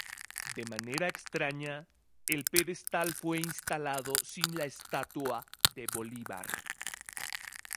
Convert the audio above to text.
De manera extraña, el pedestal fue instalado sin la estatua de Bolívar.